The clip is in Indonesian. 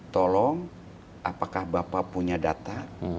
tolong apakah bapak punya data